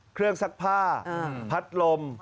เครื่องซักผ้าพัดลม